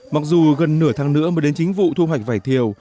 mặc dù gần nửa tháng nữa mới đến chính vụ thu hoạch vải thiều